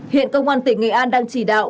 hiện công an tỉnh nghệ an đang chỉ đạo